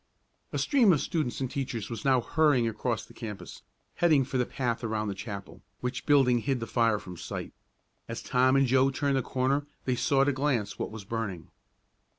A stream of students and teachers was now hurrying across the campus, heading for the path around the chapel, which building hid the fire from sight. As Tom and Joe turned the corner they saw at a glance what was burning.